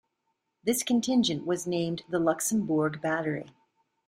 This contingent was named the Luxembourg Battery.